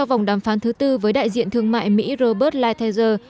vòng đàm phán thứ tư với đại diện thương mại mỹ robert lighthizer